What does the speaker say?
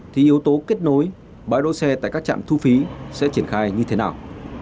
thì yếu tố kết nối bãi đỗ xe tại các trạm thu phí sẽ triển khai như thế nào